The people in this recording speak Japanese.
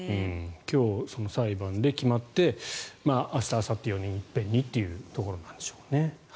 今日、その裁判で決まって明日、あさって４人一遍にというところなんでしょう。